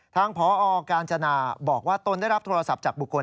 ทางพอกาญจนาบอกว่าตนได้รับโทรศัพท์จากบุคคล